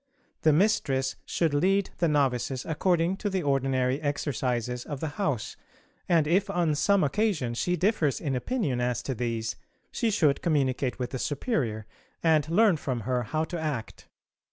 The Mistress should lead the Novices according to the ordinary exercises of the house, and if on some occasion she differs in opinion as to these, she should communicate with the Superior, and learn from her how to act.